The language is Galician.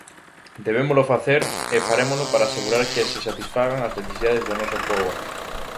Debémolo facer, e farémolo, para asegurar que se satisfagan as necesidades do noso pobo.